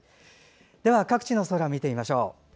では各地の空、見ていきましょう。